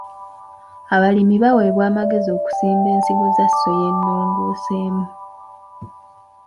Abalimi baweebwa amagezi okusimba ensigo za soya ennongoseemu.